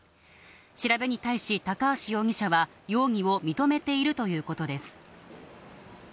調べに対し高橋容疑者は、容疑を認めているということです。